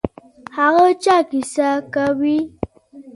هغه چا کیسه کوي.